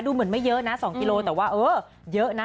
เหมือนไม่เยอะนะ๒กิโลแต่ว่าเออเยอะนะ